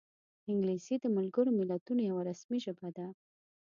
انګلیسي د ملګرو ملتونو یوه رسمي ژبه ده